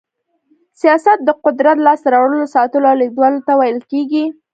سياست د قدرت لاسته راوړلو، ساتلو او لېږدولو ته ويل کېږي.